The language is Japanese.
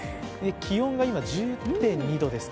気温が今、１０．２度ですか。